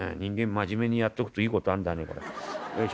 真面目にやっとくといい事あんだなこりゃ。